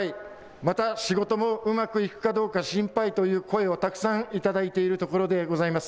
また仕事もうまくいくかどうか心配という声をたくさんいただいているところでございます。